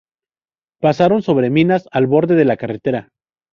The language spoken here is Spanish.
Pasaron sobre minas al borde de la carretera.